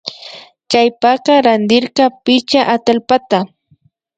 Chaypaka randirka pichka atallpata